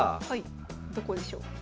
どこでしょう？